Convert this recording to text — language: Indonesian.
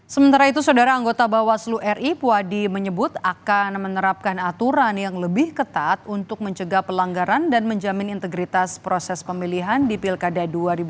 sementara itu saudara anggota bawaslu ri puwadi menyebut akan menerapkan aturan yang lebih ketat untuk mencegah pelanggaran dan menjamin integritas proses pemilihan di pilkada dua ribu dua puluh